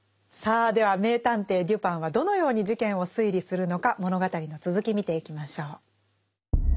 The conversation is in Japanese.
さあでは名探偵デュパンはどのように事件を推理するのか物語の続き見ていきましょう。